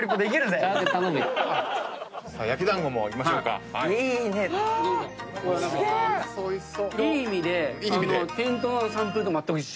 あおいしそう。